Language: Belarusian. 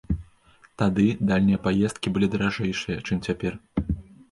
Тады дальнія паездкі былі даражэйшыя, чым цяпер.